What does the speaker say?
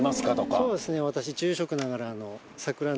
そうですね。